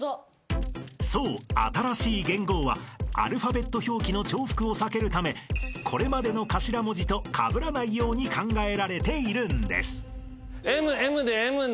［そう新しい元号はアルファベット表記の重複を避けるためこれまでの頭文字とかぶらないように考えられているんです］